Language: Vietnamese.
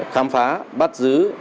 khám phá bắt giữ